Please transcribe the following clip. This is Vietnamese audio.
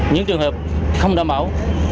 những trường hợp không đảm bảo